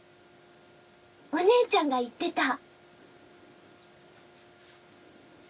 「お姉ちゃんが言ってた」